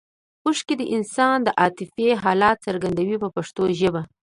اوښکې د انسان عاطفي حالت څرګندوي په پښتو ژبه.